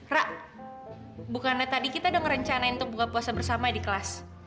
ra bukanlah tadi kita dong ngerencanain untuk buka puasa bersama di kelas